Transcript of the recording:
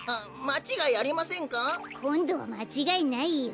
こんどはまちがいないよ。